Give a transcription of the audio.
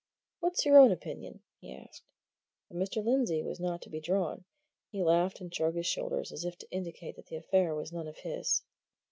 "What's your own opinion?" he asked. But Mr. Lindsey was not to be drawn. He laughed and shrugged his shoulders, as if to indicate that the affair was none of his.